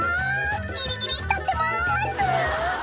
「ギリギリ立ってます」